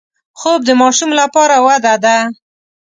خوب د ماشوم لپاره وده ده